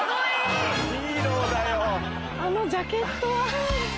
あのジャケットは。